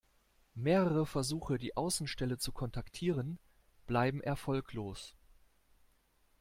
Mehrere Versuche, die Außenstelle zu kontaktieren, bleiben erfolglos.